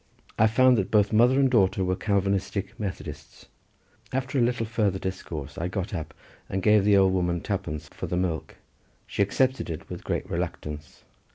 I found that both mother and daughter were Calvinistic Methodists. After a little further discourse I got up and gave the old woman twopence for the milk; she accepted it, but with great reluctance.